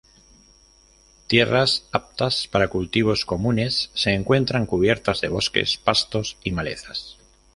Tierras aptas para cultivos comunes se encuentran cubiertas de bosques, pastos y malezas.